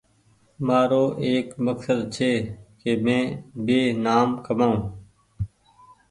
مآرو ايڪ مڪسد ڇي ڪ مينٚ بي نآم ڪمآئو